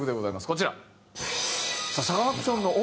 こちら。